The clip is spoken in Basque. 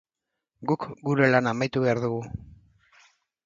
Guk gure lana amaitu behar dugu.